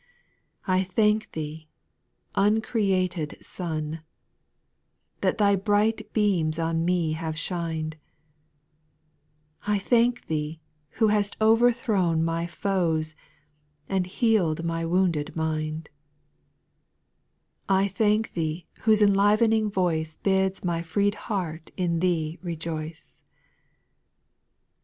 I thank Thee, uncreated Sun, That Thy bright beams on me have shined : I thank Thee, who hast overthrown My foes, and healed my wounded mind ; I thank Thee, whose enlivening voice Bids my free'd heart in Thee rejoice.